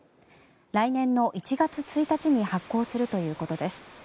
来年の１月１日に発効するということです。